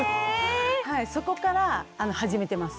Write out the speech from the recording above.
そこから始めてます。